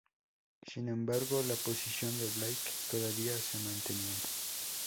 Sin embargo, la posición de Blake todavía se mantenían.